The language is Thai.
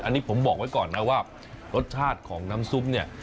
อันนี้ผมบอกไว้ก่อนนะว่ารสชาติของน้ำซุปเนี่ย